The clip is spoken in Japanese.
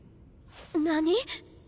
何？